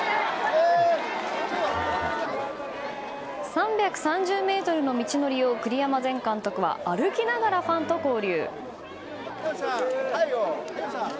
３３０ｍの道のりを栗山前監督は歩きながらファンと交流。